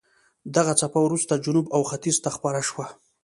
دغه څپه وروسته جنوب او ختیځ ته خپره شوه.